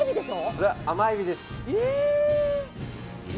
それは甘エビです。